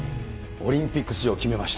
オリンピック出場決めました。